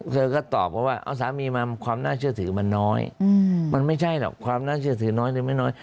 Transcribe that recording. เธอก็ตอบว่าเอาสามีมาความน่าเชื่อถือมันน้อยมันไม่ใช่หรอกความน่าเชื่อถือน้อยหรือไม่น้อย